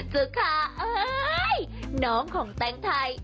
คือค่ะน้องของแตงไทย